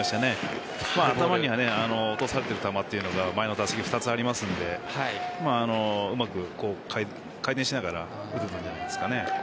頭には落とされている球というのが前の打席２つありますのでうまく改善しながら振り抜くんじゃないですかね。